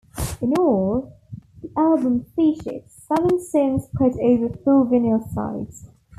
In all, the album featured seven songs spread over four vinyl sides.